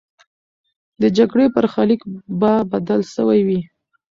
د جګړې برخلیک به بدل سوی وي.